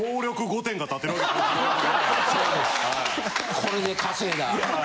これで稼いだ。